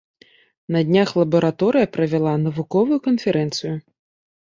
На днях лабараторыя правяла навуковую канферэнцыю.